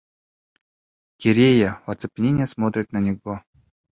Керея в оцепенении смотрит на него.